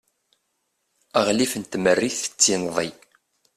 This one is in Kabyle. aɣlif n tmerrit d tinḍi